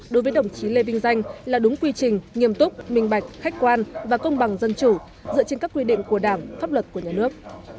đối với đồng chí lê vinh danh là đúng quy trình nghiêm túc minh bạch khách quan và công bằng dân chủ dựa trên các quy định của đảng pháp luật của nhà nước